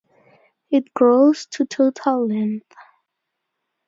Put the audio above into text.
It grows to total length.